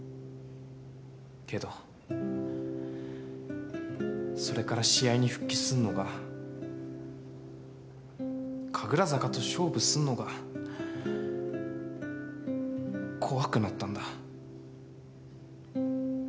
けどそれから試合に復帰すんのが神楽坂と勝負すんのが怖くなったんだ。